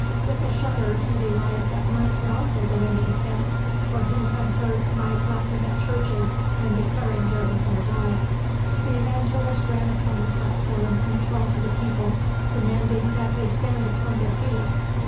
With a shudder he realised that Mike also would go into the pit, for he had heard Mike laughing at churches and declaring there was no God. The evangelist ran upon the platform and called to the people demanding that they stand upon their feet.